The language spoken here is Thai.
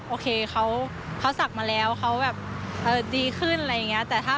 โอเคเขาศักดิ์มาแล้วเขาแบบดีขึ้นอะไรอย่างนี้